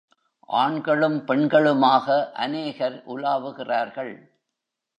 ஆண்களும் பெண்களுமாக அநேகர் உலாவுகிறார்கள்.